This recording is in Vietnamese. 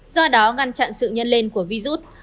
do đó ngăn chặn sự nhân lên của virus